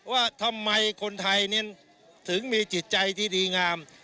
ว่าทำไมคนไทยถึงมีจิตใจที่ดีงาม